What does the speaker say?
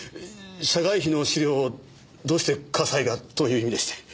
社外秘の資料をどうして笠井がという意味でして。